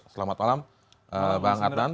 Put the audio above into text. selamat malam bang adnan